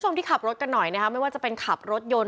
ที่ขับรถกันหน่อยนะคะไม่ว่าจะเป็นขับรถยนต์